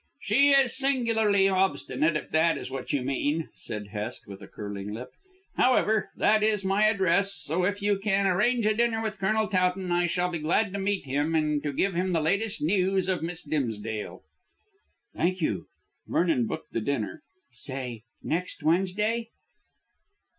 "She is singularly obstinate, if that is what you mean," said Hest with a curling lip. "However, that is my address, so if you can arrange a dinner with Colonel Towton I shall be glad to meet him and to give him the latest news of Miss Dimsdale." "Thank you!" Vernon booked the dinner. "Say next Wednesday?"